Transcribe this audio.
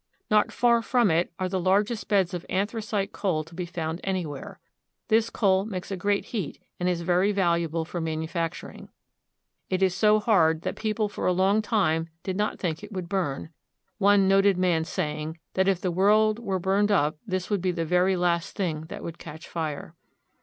Not far from it are the largest beds of anthracite coal to be found any where. This coal makes a great heat and is very valuable for manufacturing. It is so hard that people for a long time did not think it would burn, one noted man saying that if the world were burned up this would be the very last thing that would catch fire.